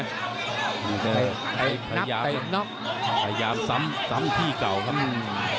นี่คือพยายามพยายามซ้ำซ้ำที่เก่าครับ